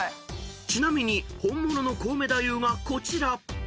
［ちなみに本物のコウメ太夫がこちら］